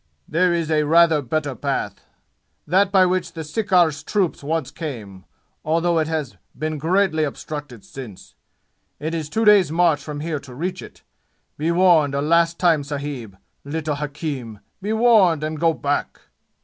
"There is a rather better path that by which the sirkar's troops once came although it has been greatly obstructed since. It is two days' march from here to reach it. Be warned a last time, sahib little hakim be warned and go back!"